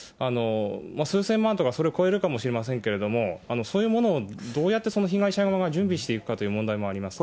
数千万とか、それを超えるかもしれませんけれども、そういうものをどうやって、被害者側が準備していくかという問題もあります。